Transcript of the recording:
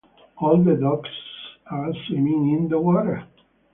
All the ducks are swimming in the water.